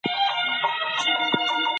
د ټولنپوهنې هدف د انسانانو خوشحالي ده.